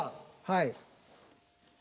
はい。